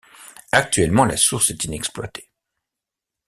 Actuellement la source est inexploitée.